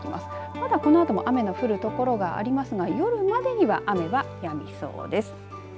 まだこのあとも雨の降る所がありますが夜までには雨はやみそうです。